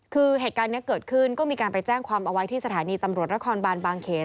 คือเหตุการณ์นี้เกิดขึ้นก็มีการไปแจ้งความเอาไว้ที่สถานีตำรวจนครบานบางเขน